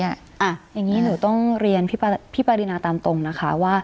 อย่างนี้หนูต้องเรียนพี่ปรินาตามตรงนะคะว่า